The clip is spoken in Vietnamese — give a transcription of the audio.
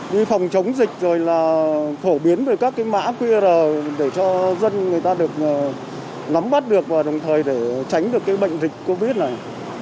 đi phòng chống dịch rồi là phổ biến về các cái mã qr để cho dân người ta được nắm bắt được và đồng thời để tránh được cái bệnh dịch covid này